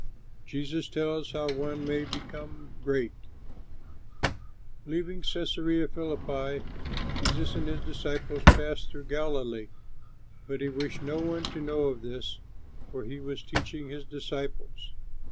JESUS TELLS HOW ONE MAY BECOME GREAT Leaving Cæsarea Philippi, Jesus and his disciples passed through Galilee; but he wished no one to know of this, for he was teaching his disciples.